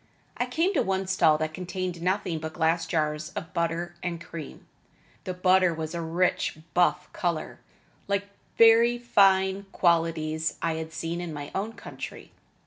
I came to one stall that contained nothing but glass jars of butter and cream. The butter was a rich buff color, like very fine qualities I had seen in my own country.